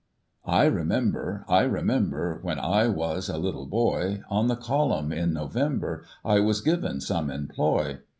I remember, I remember, When I was a little boy. On the column, in November, I was given some employ.